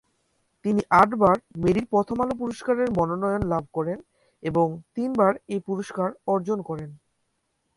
তিনি আটবার মেরিল-প্রথম আলো পুরস্কারের মনোনয়ন লাভ করেন এবং তিনবার এই পুরস্কার অর্জন করেন।